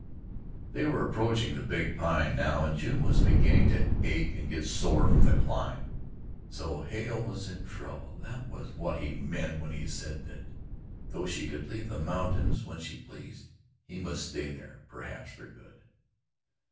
They were approaching the big Pine now, and June was beginning to ache and get sore from the climb. So Hale was in trouble that was what he meant when he said that, though she could leave the mountains when she pleased, he must stay there, perhaps for good.